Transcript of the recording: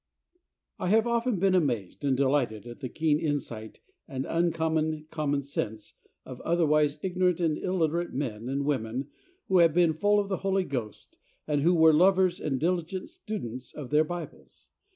I have often been amazed and delighted at the keen insight and uncommon common sense of otherwise ignorant and illiterate men and women who have been full of the Holy Ghost, and who were lovers and diligent students of their Bibles.